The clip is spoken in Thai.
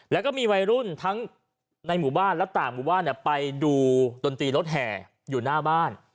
แล้วก็มีวัยรุ่นทั้งในหมู่บ้านและต่างหมู่บ้านไปดูดนตรีรถแห่อยู่หน้าบ้าน